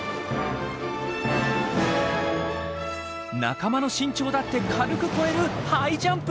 仲間の身長だって軽く超えるハイジャンプ。